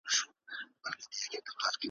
د حاجتمندو حاجتونه راځي `